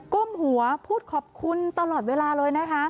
ก้มหัวพูดขอบคุณตลอดเวลาเลยนะคะ